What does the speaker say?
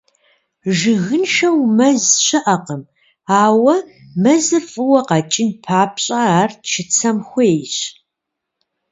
Жыгыншэу мэз щыӏэкъым, ауэ мэзыр фӏыуэ къэкӏын папщӏэ, ар чыцэм хуейщ.